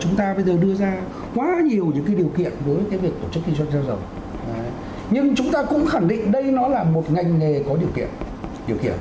chúng ta bây giờ đưa ra quá nhiều điều kiện với tổ chức kinh doanh xăng dầu nhưng chúng ta cũng khẳng định đây là một ngành có điều kiện